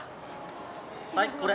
はい、これ。